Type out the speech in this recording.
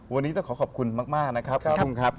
วันนี้ต้องขอขอบคุณมากนะครับคุณกุ้งครับ